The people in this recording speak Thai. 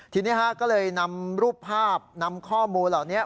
ทีนี้ก็เลยนำรูปภาพนำข้อมูลเหล่านี้